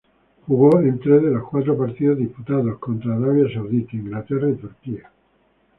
Jugó en tres de los cuatro partidos disputados, contra Arabia Saudita, Inglaterra y Turquía.